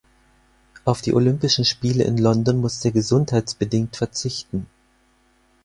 Auf die Olympischen Spiele in London musste er gesundheitsbedingt verzichten.